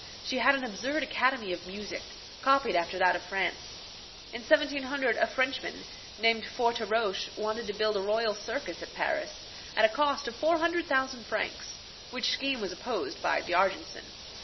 She had an absurd academy of music, copied after that of France. In 1700 a Frenchman, named Foretroche, wanted to build a royal circus at Paris, at a cost of 400,000 francs, which scheme was opposed by D'Argenson.